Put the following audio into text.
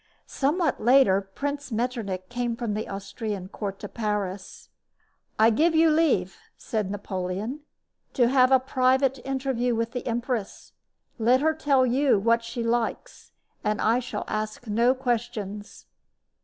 Somewhat later Prince Metternich came from the Austrian court to Paris. "I give you leave," said Napoleon, "to have a private interview with the empress. Let her tell you what she likes, and I shall ask no questions.